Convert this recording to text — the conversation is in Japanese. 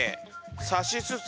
「さしすせ」